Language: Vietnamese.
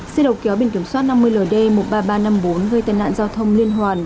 xe đầu kéo biển kiểm soát năm mươi ld một mươi ba nghìn ba trăm năm mươi bốn gây tai nạn giao thông liên hoàn